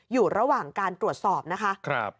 อยู่ระหว่างการตรวจสอบนะคะ